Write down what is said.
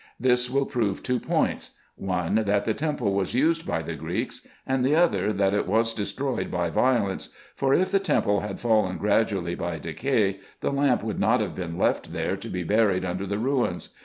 This will prove two points ; one, that the temple was used by the Greeks ; and the other, that it was destroyed by violence ; for if the temple had fallen gradually by decay, the lamp would not have been left there, to be buried under the ruins.